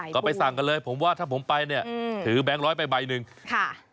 ก็ไปสั่งกันเลยผมว่าถ้าผมไปเนี่ยถือแบงค์ร้อยไปใบหนึ่งค่ะ